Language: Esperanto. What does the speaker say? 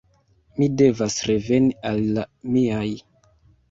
Mi devas reveni al la miaj.